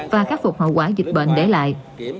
và khắc phục hậu quả dịch bệnh để lại